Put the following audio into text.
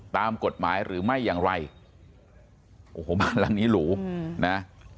ตามกฎหมายหรือไม่อย่างไรหลังนี้หรูนะ